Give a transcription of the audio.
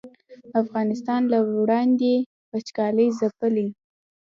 افغانستان له وړاندې وچکالۍ ځپلی